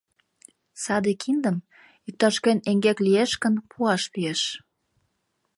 Саде киндым, иктаж-кӧн эҥгек лиеш гын, пуаш лиеш.